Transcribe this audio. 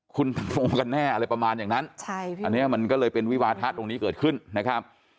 คุณตังโมกันแน่อะไรประมาณอย่างนั้นอันนี้มันก็เลยเป็นวิวาทะตรงนี้เกิดขึ้นนะครับ